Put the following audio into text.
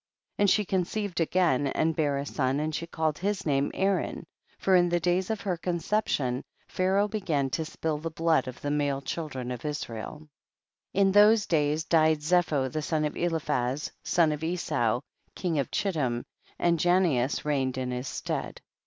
4. And she conceived again and bare a son and she called his name Aaron, for in the days of her concep tion, Pharaoh began to spill the blood of the male children of Israel, 5. In those days died Zepho the son of Eliphaz, son of Esau, king of Chittim, and Janeas reigned in his stead.